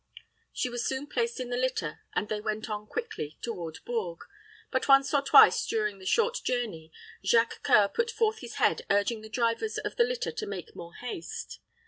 She was soon placed in the litter, and they went on quickly toward Bourges; but once or twice, during the short journey, Jacques C[oe]ur put forth his head, urging the drivers of the litter to make more haste.